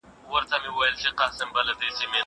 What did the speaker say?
زه کتابونه ليکلي دي!؟